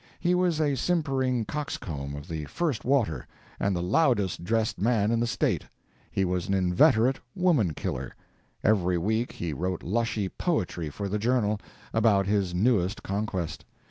He was a simpering coxcomb of the first water, and the "loudest" dressed man in the State. He was an inveterate woman killer. Every week he wrote lushy "poetry" for the "Journal," about his newest conquest.